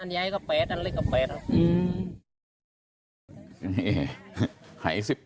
อันใหญ่ก็๘อันเล็กก็๘ครับ